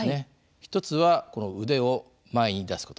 一つはこの腕を前に出すこと。